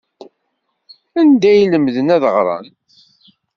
Anda ay lemden ad ɣren?